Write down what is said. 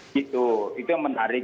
gitu itu yang menarik